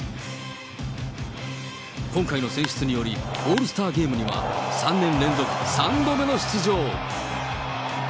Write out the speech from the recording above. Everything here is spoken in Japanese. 今回の選出により、オールスターゲームには３年連続３度目の出場。